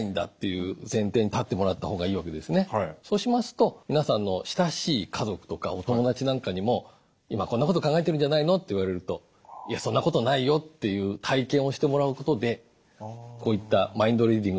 そうしますと皆さんの親しい家族とかお友達なんかにも「今こんなこと考えてるんじゃないの？」って言われると「いやそんなことないよ」っていう体験をしてもらうことでこういったＭｉｎｄＲｅａｄｉｎｇっていう悪い癖が減っていくと思います。